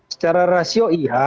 secara rasio iya